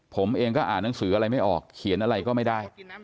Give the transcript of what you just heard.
ผมเองก็อ่านหนังสืออะไรไม่ออกเขียนอะไรก็ไม่ได้